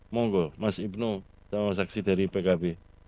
monggo mas ibnu sama saksi dari pkb